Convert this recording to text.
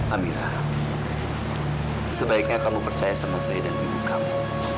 amira sebaiknya kamu percaya sama saya dan ibu kamu